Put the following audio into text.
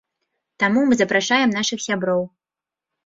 Таму мы запрашаем нашых сяброў.